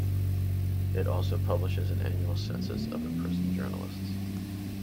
It also publishes an annual census of imprisoned journalists.